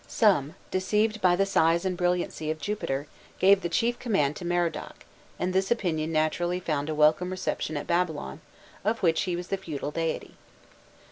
Some, deceived by the size and brilliancy of Jupiter, gave the chief command to Merodach, and this opinion naturally found a welcome reception at Babylon, of which he was the feudal deity.